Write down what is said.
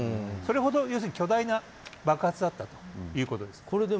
それほど巨大な爆発だったということです。